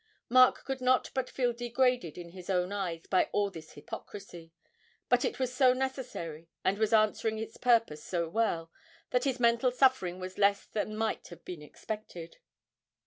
Mark could not but feel degraded in his own eyes by all this hypocrisy; but it was so necessary, and was answering its purpose so well, that his mental suffering was less than might have been expected.